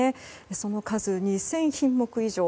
その数２０００品目以上。